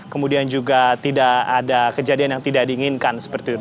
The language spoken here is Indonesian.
kemudian juga tidak ada kejadian yang tidak diinginkan seperti itu